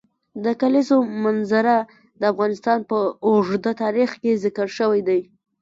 د کلیزو منظره د افغانستان په اوږده تاریخ کې ذکر شوی دی.